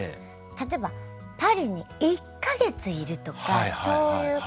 例えばパリに１か月いるとかそういうことをやりたいです。